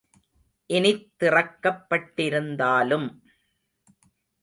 இனித் திறக்கப் பட்டிருந்தாலும்.